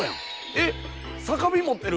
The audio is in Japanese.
えっ酒瓶持ってる。